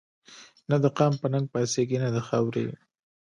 نه دقام په ننګ پا څيږي نه دخاوري